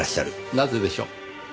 なぜでしょう？